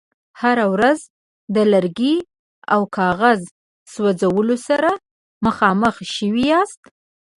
هره ورځ د لرګي او کاغذ سوځولو سره مخامخ شوي یاست.